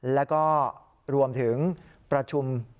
แล้วก็รวมถึงประชุม